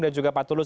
dan juga pak tulus